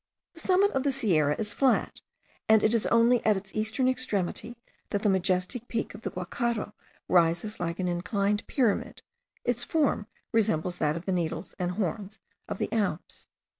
The summit of the Sierra is flat, and it is only at its eastern extremity, that the majestic peak of the Guacharo rises like an inclined pyramid, its form resembles that of the needles and horns* of the Alps.